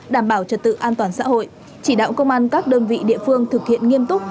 đảm bảo trật tự an toàn xã hội chỉ đạo công an các đơn vị địa phương thực hiện nghiêm túc